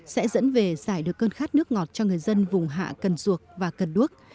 sẽ dẫn về giải được cơn khát nước ngọt cho người dân vùng hạ cần duộc và cần đuốc